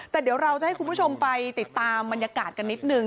แต่เดี๋ยวเราจะให้คุณผู้ชมไปติดตามบรรยากาศกันนิดนึง